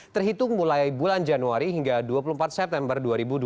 terhitung mulai bulan januari hingga dua puluh empat september dua ribu dua puluh